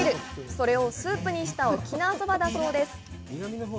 それをスープにした沖縄そばだそうです！